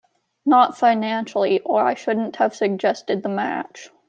Not financially, or I shouldn't have suggested the match.